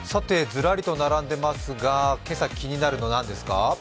ずらりと並んでいますが今朝、気になるのなんですか？